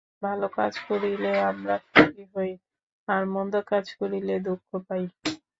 ভাল কাজ করিলে আমরা সুখী হই, আর মন্দ কাজ করিলে দুঃখ পাই।